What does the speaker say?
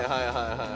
はい